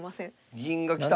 銀が来た。